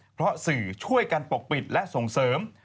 เพราะสื่อช่วยกันปกปิดและส่งเสริม